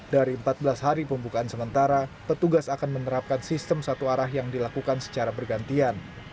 dari empat belas hari pembukaan sementara petugas akan menerapkan sistem satu arah yang dilakukan secara bergantian